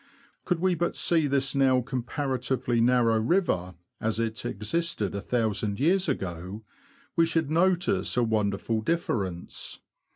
Could we but see this now comparatively narrow river as it existed a thousand years ago, we should notice a wonderful difference.